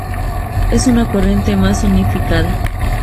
Es una corriente más unificada.